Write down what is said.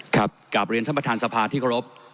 กลับเรียนท่านประธานสภาที่เคารพ